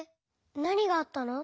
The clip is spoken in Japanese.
なにがあったの？